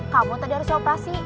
kamu tadi harus operasi